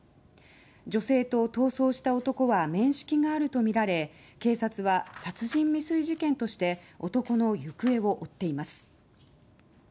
女性と逃走した男は面識があるとみられ警察は殺人未遂事件として男の行方を追っています。